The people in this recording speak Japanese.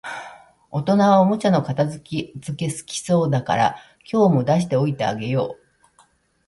大人はおもちゃの片づけ好きそうだから、今日も出しておいてあげよう